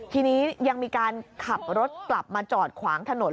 ทีนี้ยังมีการขับรถกลับมาจอดขวางถนน